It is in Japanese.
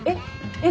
えっ？